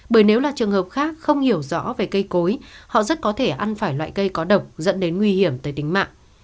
bởi nếu là trường hợp khác không hiểu rõ về cây cối họ rất có thể ăn phải loại cây có độc dẫn đến nguy hiểm tới tính mạng